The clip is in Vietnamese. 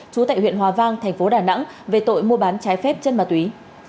trú tại huyện hòa vang tp đà nẵng về tội mua bán trái phép chân ma túy